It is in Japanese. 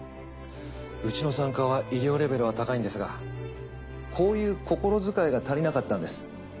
うちの産科は医療レベルは高いんですがこういう心遣いが足りなかったんです。